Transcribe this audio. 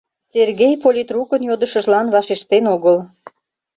Сергей политрукын йодышыжлан вашештен огыл.